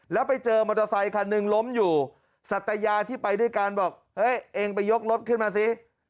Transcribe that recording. แล้วไปเจอมอเตอร์ไซคันหนึ่งล้มอยู่สัตยาที่ไปด้วยกันบอกเฮ้ยเองไปยกรถขึ้นมาสิ